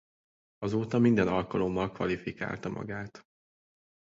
Azóta minden alkalommal kvalifikálta magát.